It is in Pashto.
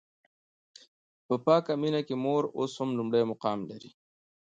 په پاکه مینه کې مور اوس هم لومړی مقام لري.